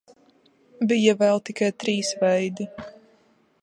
Bija vēl tikai trīs veidi.